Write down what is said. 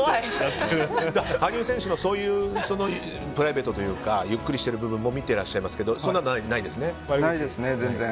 羽生選手のそういうプライベートというかゆっくりしている部分も見ていらっしゃいますけどないですね、全然。